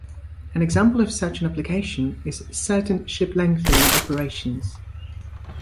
An example of such an application is certain ship lengthening operations.